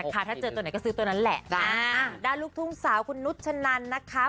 ขอลึกทุ่งสาวคุณนุตชะนันนะคะ